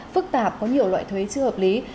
phức tạp có nhiều loại thuế chưa hợp lý